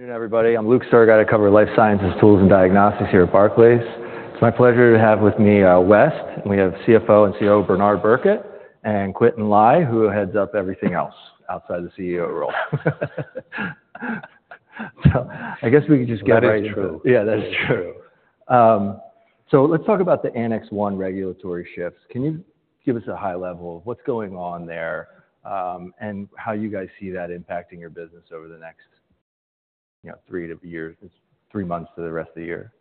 Good evening, everybody. I'm Luke Sergott covering Life Sciences Tools and Diagnostics here at Barclays. It's my pleasure to have with me West, and we have CFO and COO Bernard Birkett, and Quintin Lai, who heads up everything else outside the CEO role. So I guess we could just get right to. That's right, true. Yeah, that's true. Let's talk about the Annex 1 regulatory shifts. Can you give us a high level of what's going on there and how you guys see that impacting your business over the next 3 months to the rest of the year?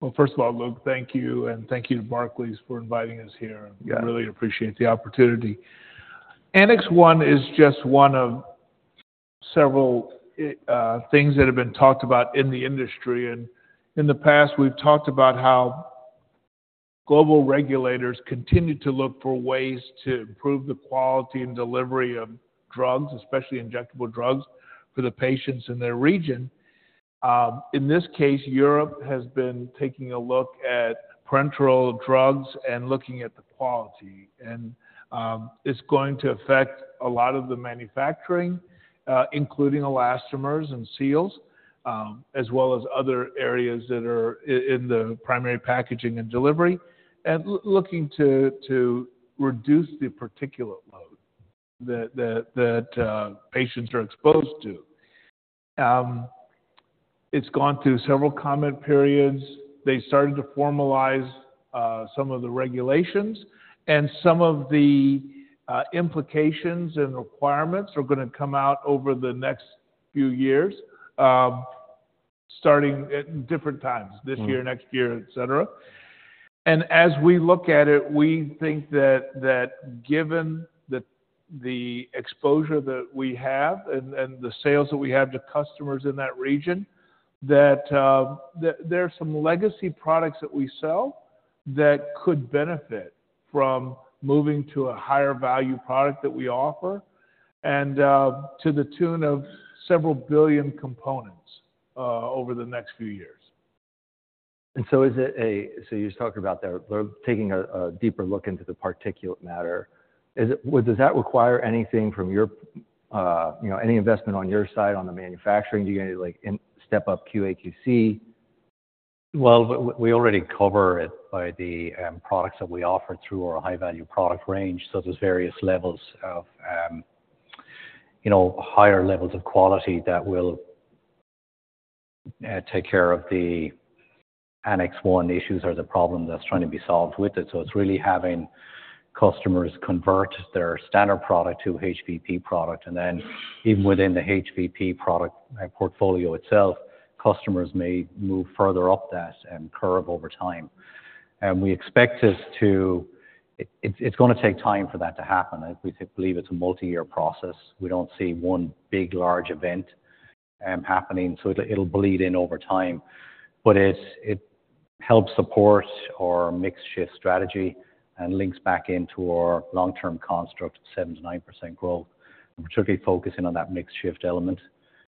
Well, first of all, Luke, thank you, and thank you to Barclays for inviting us here. We really appreciate the opportunity. Annex 1 is just one of several things that have been talked about in the industry, and in the past we've talked about how global regulators continue to look for ways to improve the quality and delivery of drugs, especially injectable drugs, for the patients in their region. In this case, Europe has been taking a look at parenteral drugs and looking at the quality, and it's going to affect a lot of the manufacturing, including elastomers and seals, as well as other areas that are in the primary packaging and delivery, and looking to reduce the particulate load that patients are exposed to. It's gone through several comment periods. They started to formalize some of the regulations, and some of the implications and requirements are going to come out over the next few years, starting at different times, this year, next year, etc. As we look at it, we think that given the exposure that we have and the sales that we have to customers in that region, there are some legacy products that we sell that could benefit from moving to a higher value product that we offer and to the tune of several billion components over the next few years. And so, is it, so you're talking about they're taking a deeper look into the particulate matter? Does that require anything from your any investment on your side on the manufacturing? Do you get any step-up QA/QC? Well, we already cover it by the products that we offer through our high-value product range, so there's various levels of higher levels of quality that will take care of the Annex 1 issues or the problem that's trying to be solved with it. So it's really having customers convert their standard product to HVP product, and then even within the HVP product portfolio itself, customers may move further up that curve over time. We expect this to—it's going to take time for that to happen. We believe it's a multi-year process. We don't see one big, large event happening, so it'll bleed in over time. But it helps support our mix-shift strategy and links back into our long-term construct of 7%-9% growth, particularly focusing on that mix-shift element,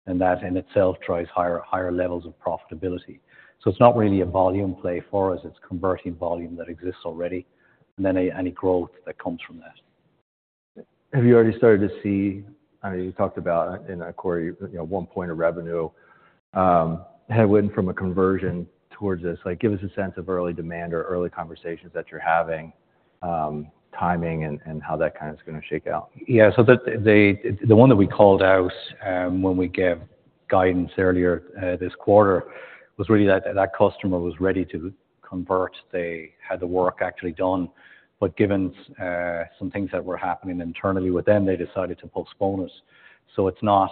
and that in itself drives higher levels of profitability. So it's not really a volume play for us. It's converting volume that exists already and then any growth that comes from that. Have you already started to see, I mean, you talked about in equity, 1 point of revenue headwind from a conversion towards this, give us a sense of early demand or early conversations that you're having, timing, and how that kind of is going to shake out? Yeah. So the one that we called out when we gave guidance earlier this quarter was really that customer was ready to convert. They had the work actually done, but given some things that were happening internally with them, they decided to postpone it. So it's not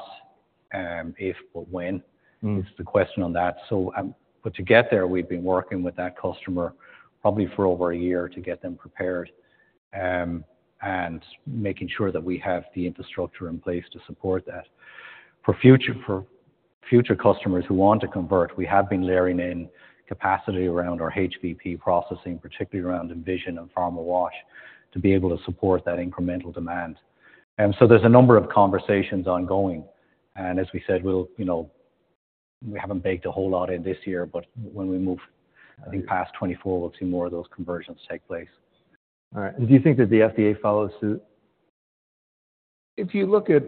if but when. It's the question on that. But to get there, we've been working with that customer probably for over a year to get them prepared and making sure that we have the infrastructure in place to support that. For future customers who want to convert, we have been layering in capacity around our HVP processing, particularly around Envision and PharmaWash, to be able to support that incremental demand. So there's a number of conversations ongoing. As we said, we haven't baked a whole lot in this year, but when we move, I think, past 2024, we'll see more of those conversions take place. All right. Do you think that the FDA follows suit? If you look at,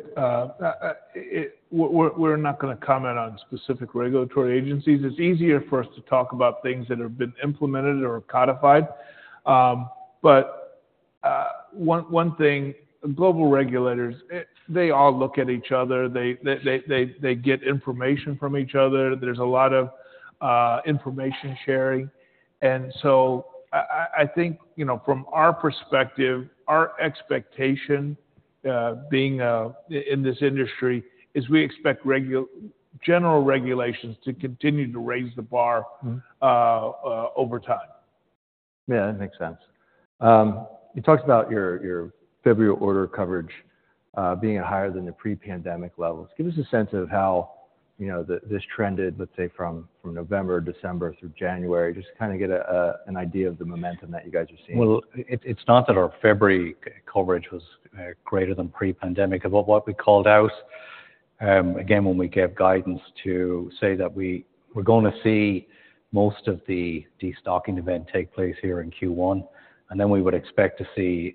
we're not going to comment on specific regulatory agencies. It's easier for us to talk about things that have been implemented or codified. But one thing, global regulators, they all look at each other. They get information from each other. There's a lot of information sharing. And so I think from our perspective, our expectation being in this industry is we expect general regulations to continue to raise the bar over time. Yeah, that makes sense. You talked about your February order coverage being at higher than the pre-pandemic levels. Give us a sense of how this trended, let's say, from November, December through January, just to kind of get an idea of the momentum that you guys are seeing. Well, it's not that our February coverage was greater than pre-pandemic. But what we called out, again, when we gave guidance to say that we were going to see most of the destocking event take place here in Q1, and then we would expect to see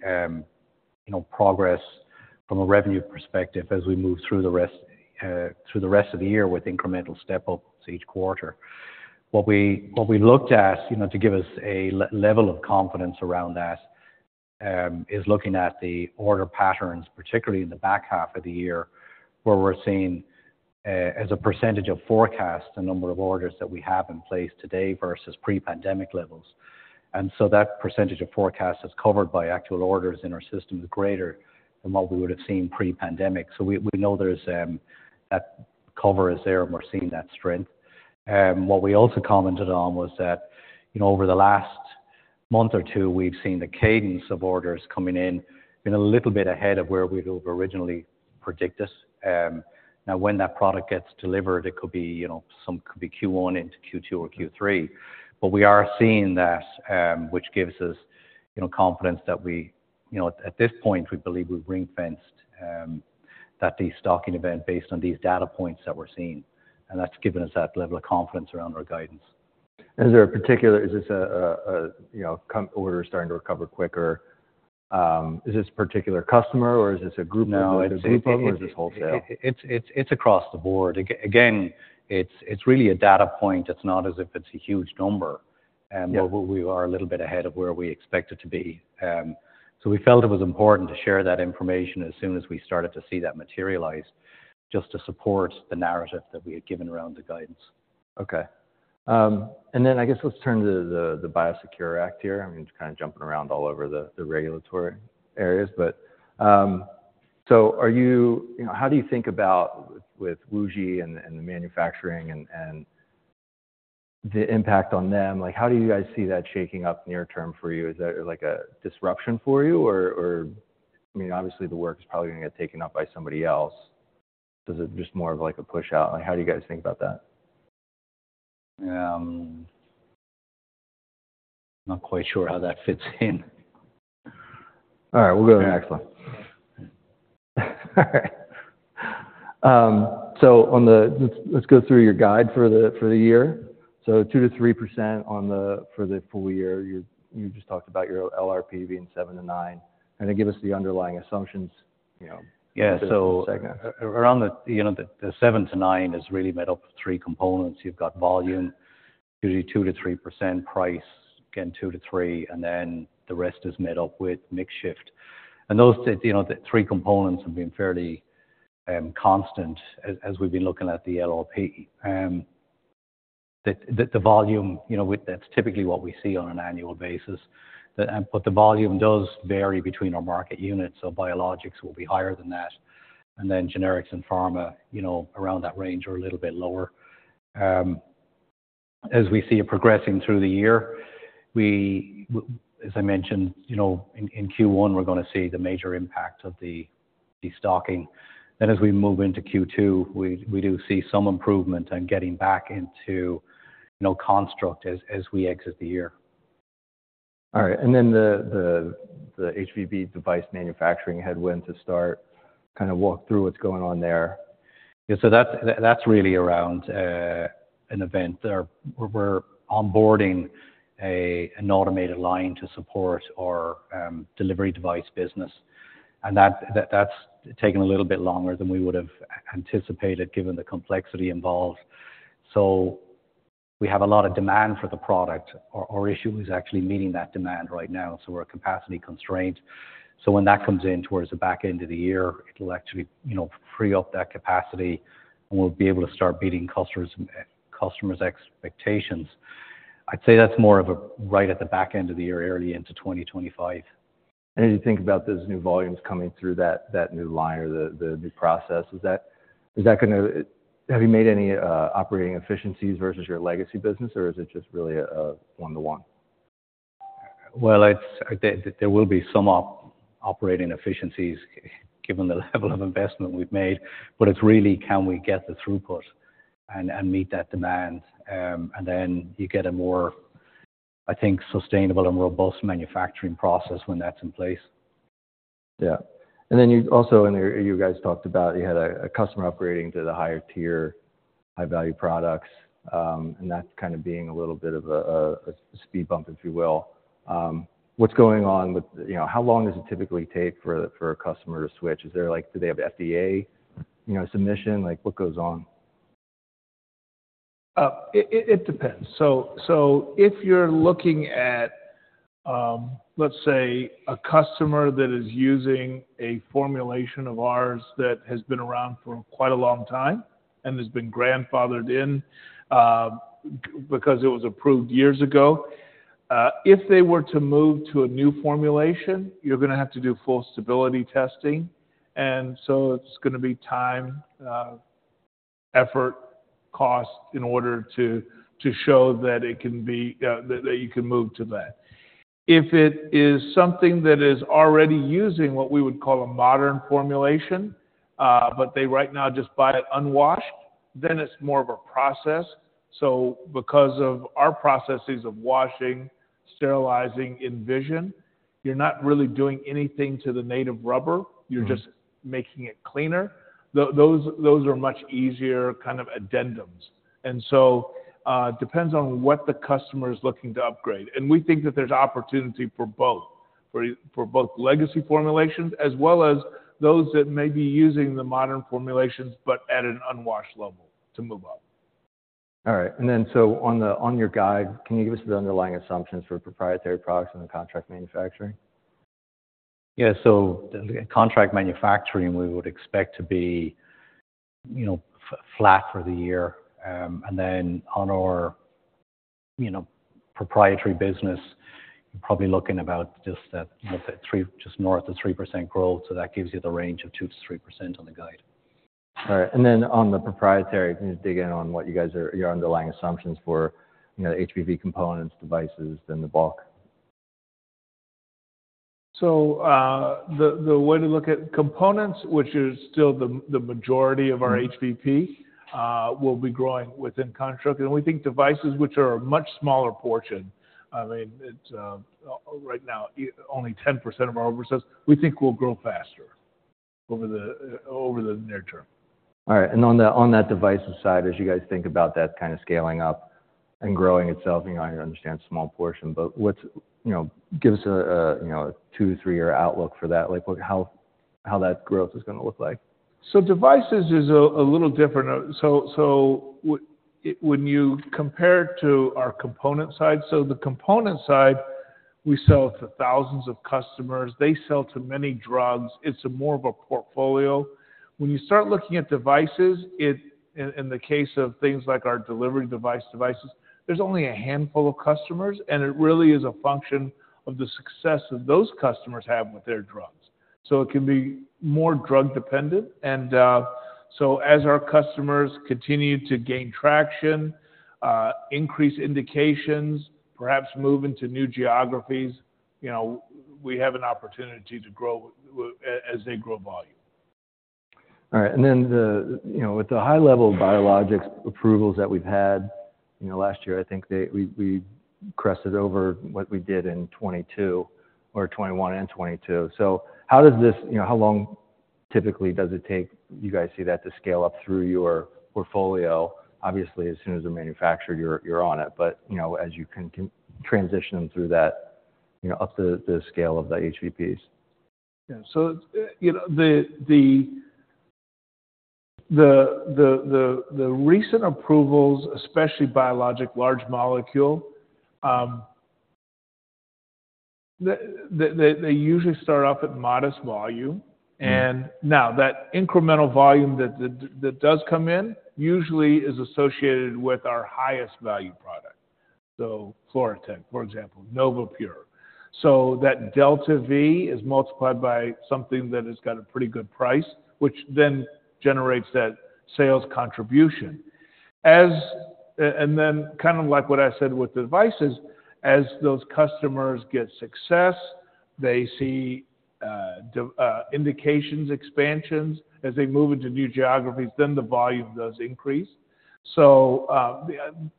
progress from a revenue perspective as we move through the rest of the year with incremental step-ups each quarter. What we looked at to give us a level of confidence around that is looking at the order patterns, particularly in the back half of the year, where we're seeing, as a percentage of forecast, the number of orders that we have in place today versus pre-pandemic levels. And so that percentage of forecast that's covered by actual orders in our system is greater than what we would have seen pre-pandemic. So we know that cover is there, and we're seeing that strength. What we also commented on was that over the last month or two, we've seen the cadence of orders coming in a little bit ahead of where we'd originally predicted. Now, when that product gets delivered, it could be Q1 into Q2 or Q3. But we are seeing that, which gives us confidence that, at this point, we believe we've ring-fenced that destocking event based on these data points that we're seeing. And that's given us that level of confidence around our guidance. Is this an order starting to recover quicker? Is this a particular customer, or is this a group of? No, it's a group of, or is this wholesale? It's across the board. Again, it's really a data point. It's not as if it's a huge number, but we are a little bit ahead of where we expect it to be. So we felt it was important to share that information as soon as we started to see that materialize just to support the narrative that we had given around the guidance. Okay. And then I guess let's turn to the BIOSECURE Act here. I mean, it's kind of jumping around all over the regulatory areas. But so how do you think about with WuXi and the manufacturing and the impact on them? How do you guys see that shaking up near-term for you? Is that a disruption for you, or? I mean, obviously, the work is probably going to get taken up by somebody else. Is it just more of a push-out? How do you guys think about that? I'm not quite sure how that fits in. All right. We'll go to the next one. All right. Let's go through your guide for the year. 2%-3% for the full year. You just talked about your LRP being 7%-9%. Kind of give us the underlying assumptions for the segments. Yeah. So around the 7-9 is really made up of three components. You've got volume, usually 2%-3%, price, again, 2%-3%, and then the rest is made up with mix shift. And the three components have been fairly constant as we've been looking at the LRP. The volume, that's typically what we see on an annual basis. But the volume does vary between our market units. So biologics will be higher than that. And then generics and pharma, around that range, are a little bit lower. As we see it progressing through the year, as I mentioned, in Q1, we're going to see the major impact of the destocking. Then as we move into Q2, we do see some improvement in getting back into construct as we exit the year. All right. And then the HVP device manufacturing headwind to start, kind of walk through what's going on there. Yeah. So that's really around an event. We're onboarding an automated line to support our delivery device business. And that's taken a little bit longer than we would have anticipated given the complexity involved. So we have a lot of demand for the product. Our issue is actually meeting that demand right now. So we're a capacity constraint. So when that comes in towards the back end of the year, it'll actually free up that capacity, and we'll be able to start meeting customers' expectations. I'd say that's more of right at the back end of the year, early into 2025. As you think about those new volumes coming through that new line or the new process, have you made any operating efficiencies versus your legacy business, or is it just really a one-to-one? Well, there will be some operating efficiencies given the level of investment we've made. But it's really, can we get the throughput and meet that demand? And then you get a more, I think, sustainable and robust manufacturing process when that's in place. Yeah. And then also, you guys talked about you had a customer upgrading to the higher-tier, high-value products, and that kind of being a little bit of a speed bump, if you will. What's going on with how long does it typically take for a customer to switch? Do they have FDA submission? What goes on? It depends. So if you're looking at, let's say, a customer that is using a formulation of ours that has been around for quite a long time and has been grandfathered in because it was approved years ago, if they were to move to a new formulation, you're going to have to do full stability testing. And so it's going to be time, effort, cost in order to show that it can be that you can move to that. If it is something that is already using what we would call a modern formulation, but they right now just buy it unwashed, then it's more of a process. So because of our processes of washing, sterilizing, Envision, you're not really doing anything to the native rubber. You're just making it cleaner. Those are much easier kind of addendums. And so it depends on what the customer is looking to upgrade. We think that there's opportunity for both, for both legacy formulations as well as those that may be using the modern formulations but at an unwashed level to move up. All right. And then so on your guide, can you give us the underlying assumptions for proprietary products and the contract manufacturing? Yeah. So contract manufacturing, we would expect to be flat for the year. Then on our proprietary business, you're probably looking about just that, let's say, just north of 3% growth. That gives you the range of 2%-3% on the guide. All right. And then on the proprietary, can you dig in on what you guys are your underlying assumptions for the HVP components, devices, then the bulk? So the way to look at components, which is still the majority of our HVP, will be growing within construct. And we think devices, which are a much smaller portion, I mean, right now, only 10% of our order size, we think will grow faster over the near term. All right. On that devices side, as you guys think about that kind of scaling up and growing itself, you understand, small portion, but give us a 2-3-year outlook for that, how that growth is going to look like. So devices is a little different. So when you compare it to our component side, we sell to thousands of customers. They sell to many drugs. It's more of a portfolio. When you start looking at devices, in the case of things like our delivery device, there's only a handful of customers, and it really is a function of the success that those customers have with their drugs. So it can be more drug-dependent. And so as our customers continue to gain traction, increase indications, perhaps move into new geographies, we have an opportunity to grow as they grow volume. All right. And then with the high-level biologics approvals that we've had last year, I think we crested over what we did in 2022 or 2021 and 2022. So how long typically does it take you guys see that to scale up through your portfolio? Obviously, as soon as they're manufactured, you're on it. But as you can transition them through that, up the scale of the HVPs. Yeah. So the recent approvals, especially biologic large molecule, they usually start off at modest volume. And now that incremental volume that does come in usually is associated with our highest value product, so FluroTec, for example, NovaPure. So that delta V is multiplied by something that has got a pretty good price, which then generates that sales contribution. And then kind of like what I said with the devices, as those customers get success, they see indications expansions. As they move into new geographies, then the volume does increase. So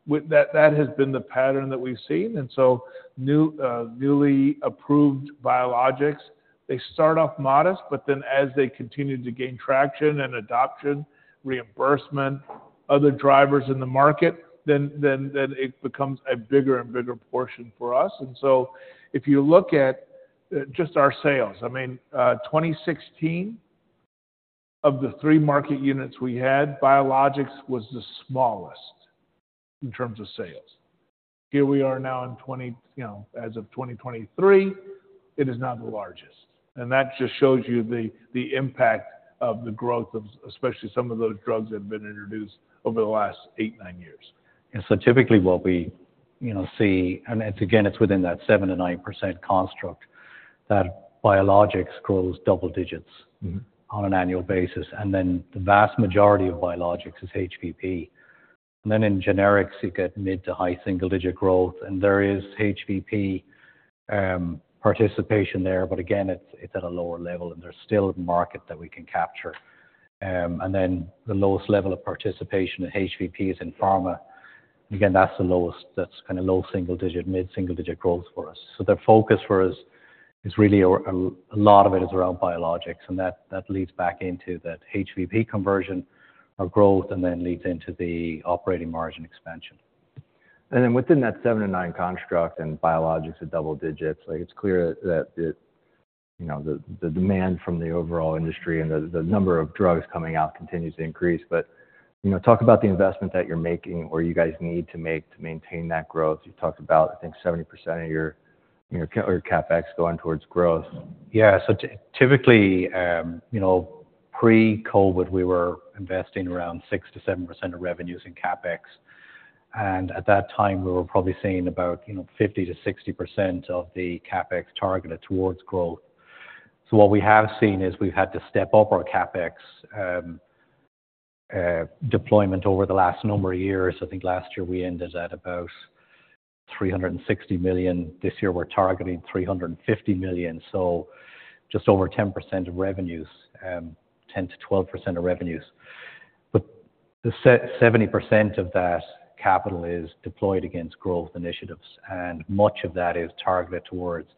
that has been the pattern that we've seen. And so newly approved biologics, they start off modest, but then as they continue to gain traction and adoption, reimbursement, other drivers in the market, then it becomes a bigger and bigger portion for us. So if you look at just our sales, I mean, 2016, of the three market units we had, biologics was the smallest in terms of sales. Here we are now, as of 2023, it is not the largest. That just shows you the impact of the growth of especially some of those drugs that have been introduced over the last 8, 9 years. Yeah. So typically, what we see and again, it's within that 7%-9% construct that biologics grows double digits on an annual basis. And then the vast majority of biologics is HVP. And then in generics, you get mid- to high single-digit growth. And there is HVP participation there. But again, it's at a lower level, and there's still a market that we can capture. And then the lowest level of participation in HVP is in pharma. And again, that's kind of low single-digit, mid-single-digit growth for us. So the focus for us is really a lot of it is around biologics. And that leads back into that HVP conversion or growth and then leads into the operating margin expansion. And then within that 7-9 construct and biologics at double digits, it's clear that the demand from the overall industry and the number of drugs coming out continues to increase. But talk about the investment that you're making or you guys need to make to maintain that growth. You talked about, I think, 70% of your CapEx going towards growth. Yeah. So typically, pre-COVID, we were investing around 6%-7% of revenues in CapEx. And at that time, we were probably seeing about 50%-60% of the CapEx targeted towards growth. So what we have seen is we've had to step up our CapEx deployment over the last number of years. I think last year, we ended at about $360 million. This year, we're targeting $350 million. So just over 10% of revenues, 10%-12% of revenues. But 70% of that capital is deployed against growth initiatives, and much of that is targeted towards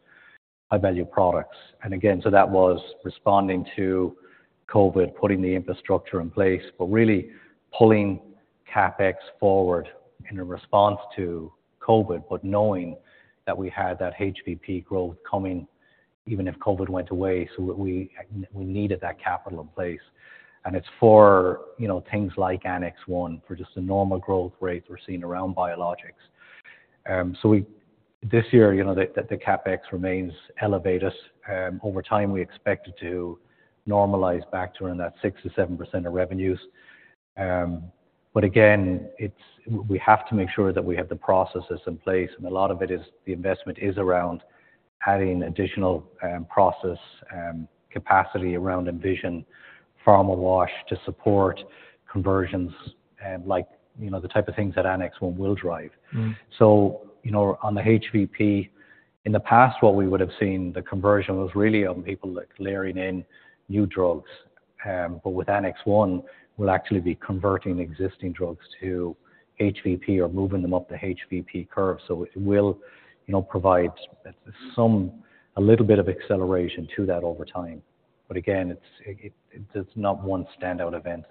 high-value products. And again, so that was responding to COVID, putting the infrastructure in place, but really pulling CapEx forward in a response to COVID, but knowing that we had that HVP growth coming even if COVID went away. So we needed that capital in place. It's for things like Annex 1, for just the normal growth rates we're seeing around biologics. So this year, the CapEx remains elevated. Over time, we expect it to normalize back to around that 6%-7% of revenues. But again, we have to make sure that we have the processes in place. And a lot of it is the investment is around adding additional process capacity around Envision PharmaWash to support conversions like the type of things that Annex 1 will drive. So on the HVP, in the past, what we would have seen, the conversion was really on people layering in new drugs. But with Annex 1, we'll actually be converting existing drugs to HVP or moving them up the HVP curve. So it will provide a little bit of acceleration to that over time. But again, it's not one standout event.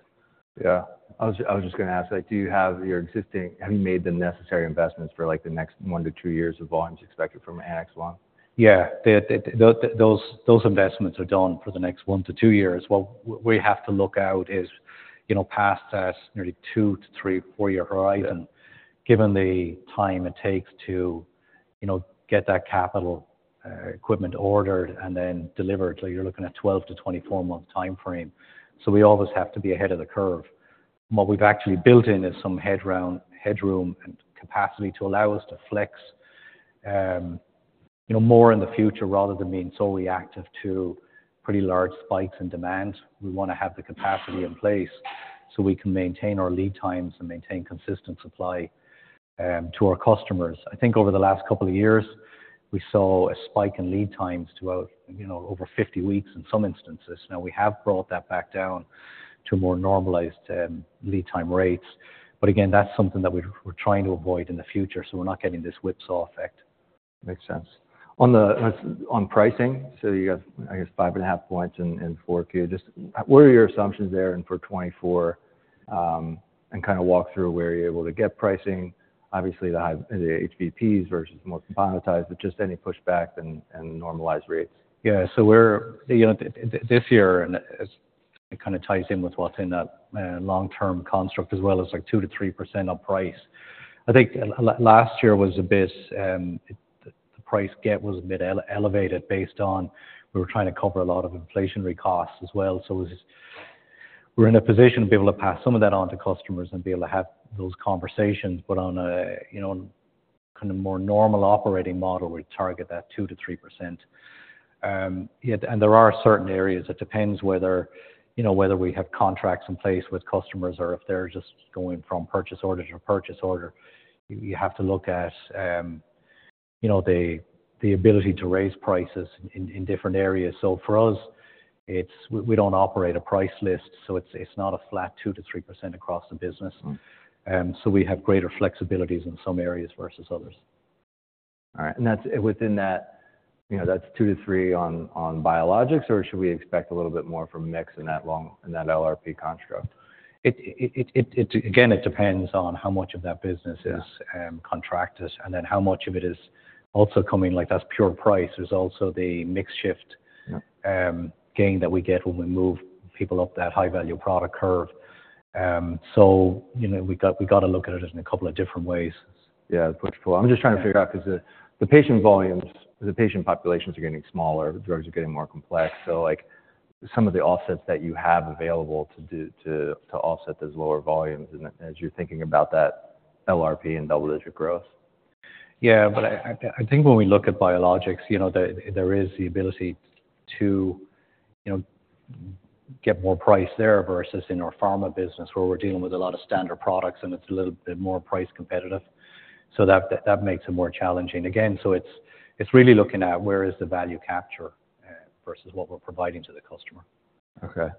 Yeah. I was just going to ask, have you made the necessary investments for the next 1-2 years of volumes expected from Annex 1? Yeah. Those investments are done for the next 1-2 years. What we have to look out is past that nearly 2- to 3- or 4-year horizon, given the time it takes to get that capital equipment ordered and then delivered. So you're looking at 12- to 24-month timeframe. So we always have to be ahead of the curve. What we've actually built in is some headroom and capacity to allow us to flex more in the future rather than being so reactive to pretty large spikes in demand. We want to have the capacity in place so we can maintain our lead times and maintain consistent supply to our customers. I think over the last couple of years, we saw a spike in lead times throughout over 50 weeks in some instances. Now, we have brought that back down to more normalized lead time rates. But again, that's something that we're trying to avoid in the future. So we're not getting this whipsaw effect. Makes sense. On pricing, so you got, I guess, 5.5 points in 4Q. What are your assumptions there for 2024 and kind of walk through where you're able to get pricing? Obviously, the HVPs versus more componentized, but just any pushback and normalized rates. Yeah. So this year, and it kind of ties in with what's in that long-term construct as well as like 2%-3% up price. I think last year was a bit the price get was a bit elevated based on we were trying to cover a lot of inflationary costs as well. So we're in a position to be able to pass some of that on to customers and be able to have those conversations. But on a kind of more normal operating model, we target that 2%-3%. And there are certain areas. It depends whether we have contracts in place with customers or if they're just going from purchase order to purchase order. You have to look at the ability to raise prices in different areas. So for us, we don't operate a price list. So it's not a flat 2%-3% across the business. So we have greater flexibilities in some areas versus others. All right. And within that, that's 2-3 on biologics, or should we expect a little bit more from mix in that LRP construct? Again, it depends on how much of that business is contracted and then how much of it is also coming, like that's pure price. There's also the mix shift gain that we get when we move people up that high-value product curve. So we got to look at it in a couple of different ways. Yeah. That's wonderful. I'm just trying to figure out because the patient volumes, the patient populations are getting smaller. Drugs are getting more complex. So some of the offsets that you have available to offset those lower volumes as you're thinking about that LRP and double-digit growth. Yeah. But I think when we look at biologics, there is the ability to get more price there versus in our pharma business where we're dealing with a lot of standard products, and it's a little bit more price competitive. So that makes it more challenging. Again, so it's really looking at where is the value capture versus what we're providing to the customer. Okay.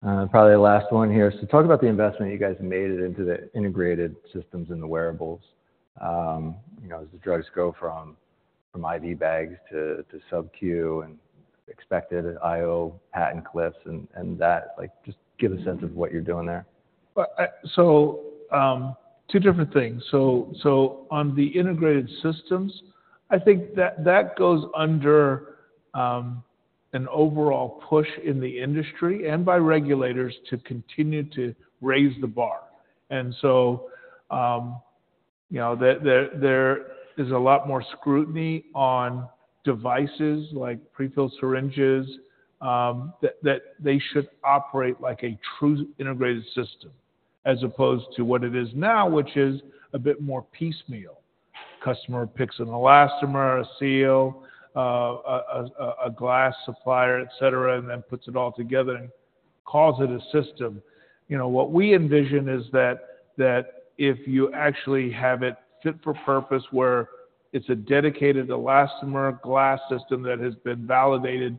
Probably the last one here. So talk about the investment you guys made into the integrated systems in the wearables. As the drugs go from IV bags to subQ and expected IO patent cliffs and that, just give a sense of what you're doing there. So two different things. So on the integrated systems, I think that goes under an overall push in the industry and by regulators to continue to raise the bar. And so there is a lot more scrutiny on devices like prefill syringes that they should operate like a true integrated system as opposed to what it is now, which is a bit more piecemeal. Customer picks an elastomer, a seal, a glass supplier, etc., and then puts it all together and calls it a system. What we envision is that if you actually have it fit for purpose where it's a dedicated elastomer glass system that has been validated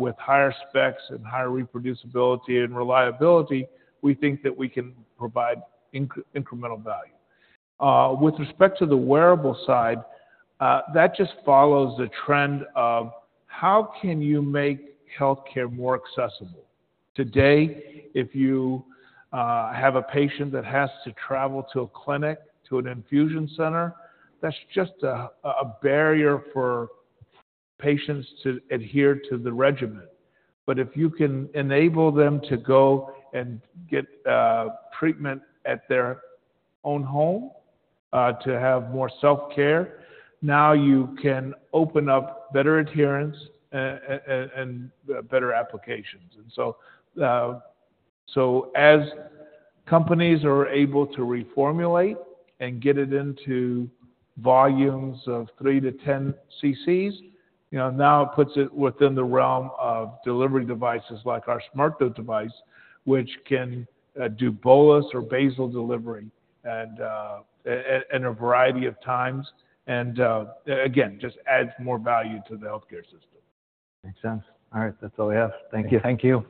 with higher specs and higher reproducibility and reliability, we think that we can provide incremental value. With respect to the wearable side, that just follows the trend of how can you make healthcare more accessible? Today, if you have a patient that has to travel to a clinic, to an infusion center, that's just a barrier for patients to adhere to the regimen. But if you can enable them to go and get treatment at their own home to have more self-care, now you can open up better adherence and better applications. And so as companies are able to reformulate and get it into volumes of 3-10 ccs, now it puts it within the realm of delivery devices like our SmartDose device, which can do bolus or basal delivery at a variety of times and again, just adds more value to the healthcare system. Makes sense. All right. That's all we have. Thank you. Thank you.